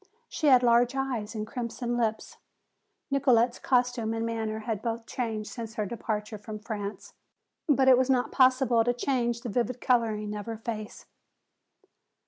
She had dark eyes and crimson lips. Nicolete's costume and manner had both changed since her departure from France. But it was not possible to change the vivid coloring of her face.